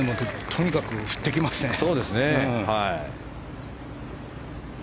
とにかく振ってきますね。